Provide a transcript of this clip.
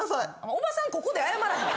おばさんここで謝らへん。